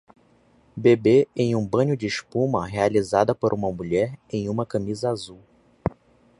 Bebê em um banho de espuma, realizada por uma mulher em uma camisa azul